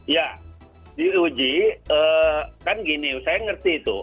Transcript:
ya di uji kan gini saya ngerti itu